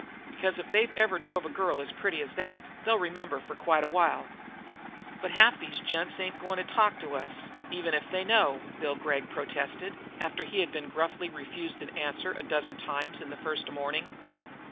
"Because, if they've ever drove a girl as pretty as that, they'll remember for quite a while." "But half of these gents ain't going to talk to us, even if they know," Bill Gregg protested, after he had been gruffly refused an answer a dozen times in the first morning.